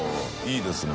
いいですね。